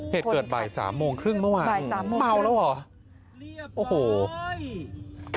เหตุเกิดบ่าย๓โมงครึ่งเมื่อวานเมาแล้วหรอ